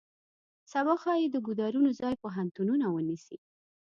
سبا ښایي د ګودرونو ځای پوهنتونونه ونیسي.